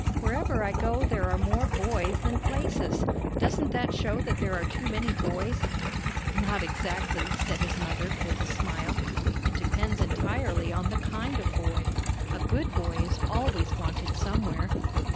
Wherever I go, there are more boys than places. Doesn't that show that there are too many boys?" "Not exactly," said his mother, with a smile. "It depends entirely on the kind of boy. A good boy is always wanted somewhere."